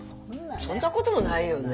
そんなこともないよね。